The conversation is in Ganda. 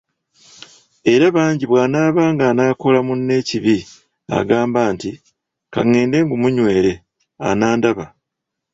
Era bangi bwaba ng'anaakola munne ekibi agamba nti, “Ka ngende ngumunywere, anandaba".